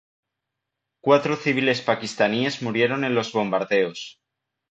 Cuatro civiles pakistaníes murieron en los bombardeos.